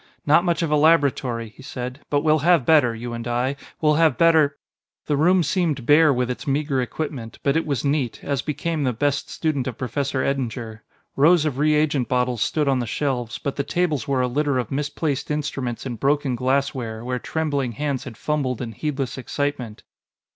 "Not much of a laboratory," he said, "but we'll have better, you and I; we'll have better " The room seemed bare with its meager equipment, but it was neat, as became the best student of Professor Eddinger. Rows of reagent bottles stood on the shelves, but the tables were a litter of misplaced instruments and broken glassware where trembling hands had fumbled in heedless excitement.